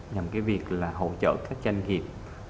nhằm cái việc là hỗ trợ các doanh nghiệp